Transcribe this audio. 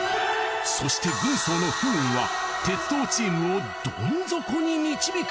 そして軍曹の不運は鉄道チームをどん底に導く。